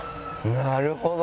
なるほど！